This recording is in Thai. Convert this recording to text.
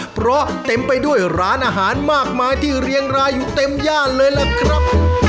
เพราะเต็มไปด้วยร้านอาหารมากมายที่เรียงรายอยู่เต็มย่านเลยล่ะครับ